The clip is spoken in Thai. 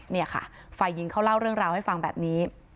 นี่ค่ะฝ่ายหญิงเขาเล่าเรื่องราวให้ฟังแบบนี้